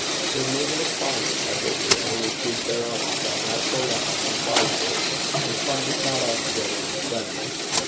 They live in a climate, as it were, which is their own, by natural law comply with it, and find it not altogether unfriendly.